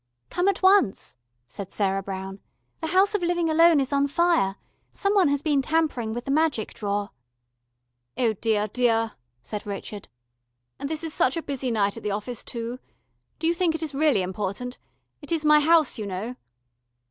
"Come at once," said Sarah Brown. "The House of Living Alone is on fire. Someone has been tampering with the magic drawer." "Oh deah, deah," said Richard. "And this is such a busy night at the office too. Do you think it is really important? It is my house, you know."